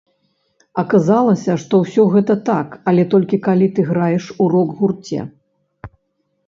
Аказалася, што ўсё гэта так, але толькі калі ты граеш у рок-гурце.